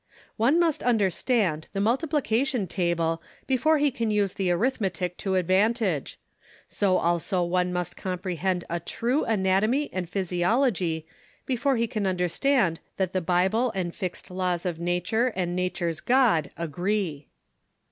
One must understand the multiplication table before he can use the arithmetic to advantage ; so also one must comprehend a true anatomy and physiology before he can understand that the Bible and fixed laws of nature and nature's God agree.